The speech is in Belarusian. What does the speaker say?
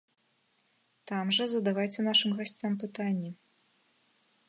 Там жа задавайце нашым гасцям пытанні!